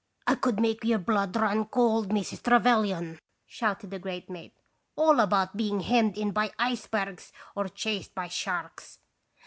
" I could make your blood run cold, Mrs. Trevelyan," shouted the great mate, "all about being hemmed in by icebergs, or chased by sharks."